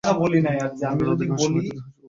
মর্গের অধিকাংশ মৃতদেহই গুরু পাঠিয়েছে।